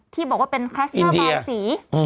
ที่บอกว่าเป็นคลัสเตอร์บายสี